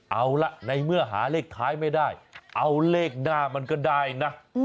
เอาล่ะในเมื่อหาเลขท้ายไม่ได้เอาเลขหน้ามันก็ได้นะ